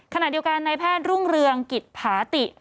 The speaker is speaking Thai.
ขณะเดียวกันในแพทย์รุ่งเรืองกิจผาติ